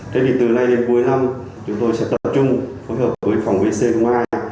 thế thì từ nay đến cuối năm chúng tôi sẽ tập trung phối hợp với phòng vc ngoài